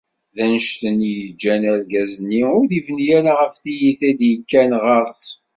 D annect-nni i yeğğan argaz-nni ur ibni ara ɣef tyita d-yekkan ɣer-s.